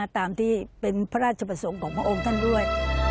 ตามที่เป็นพระราชประสงค์ของพระองค์ท่านด้วย